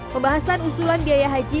pembahasan usulan biaya haji